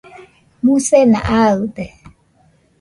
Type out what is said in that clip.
musena aɨde